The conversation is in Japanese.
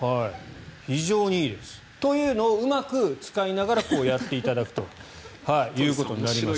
非常にいいです。というのをうまく使いながらやっていただくということです。